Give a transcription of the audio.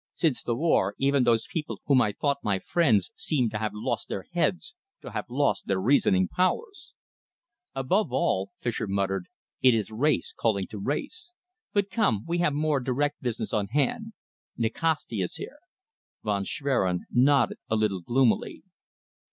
Since the war, even those people whom I thought my friends seem to have lost their heads, to have lost their reasoning powers." "After all," Fischer muttered, "it is race calling to race. But come, we have more direct business on hand. Nikasti is here." Von Schwerin nodded a little gloomily.